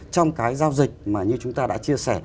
trong cái giao dịch mà như chúng ta đã chia sẻ